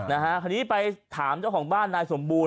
อันนี้ไปถามเจ้าของบ้านนายสมบูรณ์